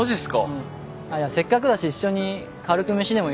うん。じゃあせっかくだし一緒に軽く飯でも行く？